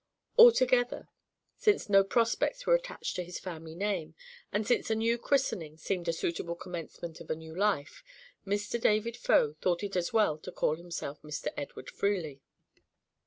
Altogether, since no prospects were attached to his family name, and since a new christening seemed a suitable commencement of a new life, Mr. David Faux thought it as well to call himself Mr. Edward Freely.